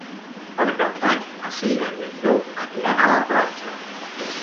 Per Cap d'Any na Cira i en Llop aniran a la platja.